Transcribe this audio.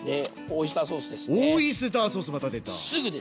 オイスターソースまた出た。